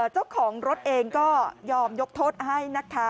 เจ้าของรถเองก็ยอมยกโทษให้นะคะ